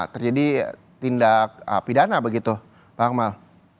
terjadi tindak pidana begitu pak akmal